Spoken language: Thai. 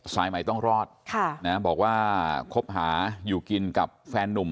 สายใหม่ต้องรอดบอกว่าคบหาอยู่กินกับแฟนนุ่ม